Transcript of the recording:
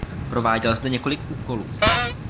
Prováděl zde několik úkolů.